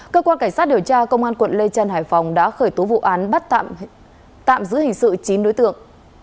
cơ quan cảnh sát điều tra công an quận lê trân hải phòng đã khởi tố vụ án bắt tạm giữ hình sự chín đối tượng